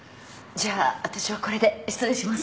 じゃあ私はこれで失礼します。